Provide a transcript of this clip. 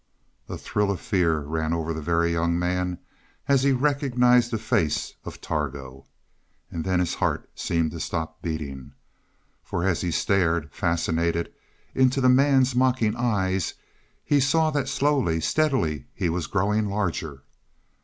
A thrill of fear ran over the Very Young Man as he recognized the face of Targo. And then his heart seemed to stop beating. For as he stared, fascinated, into the man's mocking eyes, he saw that slowly, steadily he was growing larger.